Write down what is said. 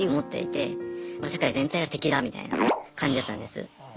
社会全体が敵だみたいな感じだったんです。